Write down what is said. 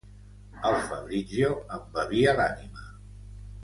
El Fabrizio em bevia l'ànima.